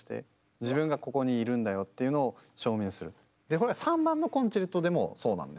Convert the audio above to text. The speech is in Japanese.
これは３番のコンチェルトでもそうなんですよね。